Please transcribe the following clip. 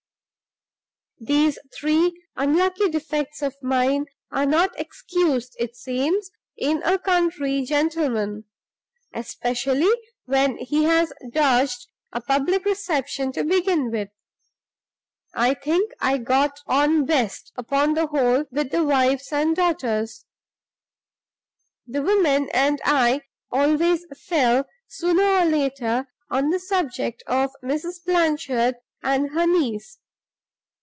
These three unlucky defects of mine are not excused, it seems, in a country gentleman (especially when he has dodged a public reception to begin with). I think I got on best, upon the whole, with the wives and daughters. The women and I always fell, sooner or later, on the subject of Mrs. Blanchard and her niece.